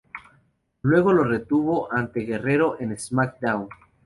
Luego lo retuvo ante Guerrero en "SmackDown!